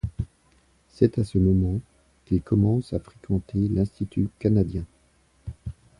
C’est à ce moment qu’il commence à fréquenter l’Institut canadien.